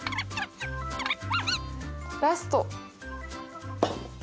ラスト２。